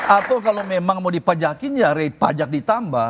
atau kalau memang mau dipajakin ya pajak ditambah